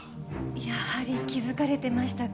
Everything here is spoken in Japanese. やはり気づかれてましたか。